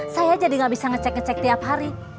saya jadi gak bisa ngecek ngecek tiap hari